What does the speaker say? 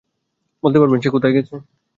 বলতে পারবেন সে কোথায় গেছে?